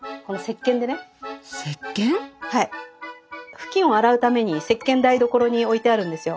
布巾を洗うために石けん台所に置いてあるんですよ。